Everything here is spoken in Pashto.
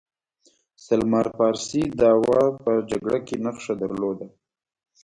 سلمان فارسي داوحد په جګړه کې نښه درلوده.